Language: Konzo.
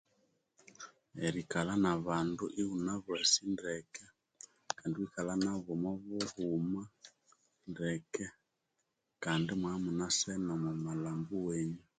Erikalha na bandu ighunabasi ndeke, kandi iwikalha nabu omu bughuma ndeke, kandi imwabya imuna sene omu malhambo wenyu